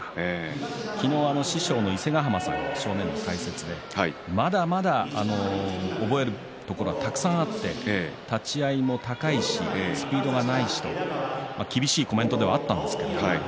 昨日、師匠の伊勢ヶ濱さん正面の解説でまだまだ覚えるところはたくさんあって立ち合いも高いしスピードはないしと厳しいコメントではあったんですけど。